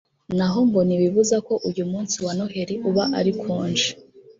naho ngo ntibibuza ko uyu munsi wa Noheli uba ari konji